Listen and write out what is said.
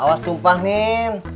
awas tumpah nin